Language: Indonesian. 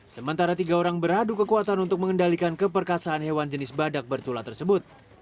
sementara tiga orang beradu kekuatan untuk mengendalikan keperkasaan hewan jenis badak bercula tersebut